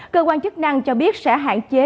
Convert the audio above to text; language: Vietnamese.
cơ quan chức năng cho biết sẽ hạn chế